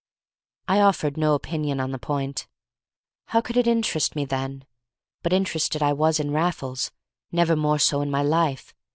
I offered no opinion on the point. How could it interest me then? But interested I was in Raffles, never more so in my life.